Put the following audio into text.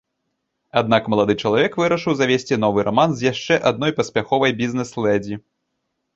Аднак малады чалавек вырашыў завесці новы раман з яшчэ адной паспяховай бізнэс-ледзі.